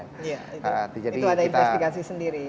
itu ada investigasi sendiri